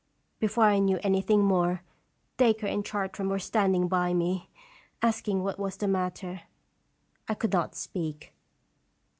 Before I knew anything more, Dacre and Chartram were standing by me, asking what was the matter. I could not speak.